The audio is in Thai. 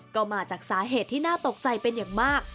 ก็มาจากสาเหตุที่น่าตกใจเป็นอย่างมาก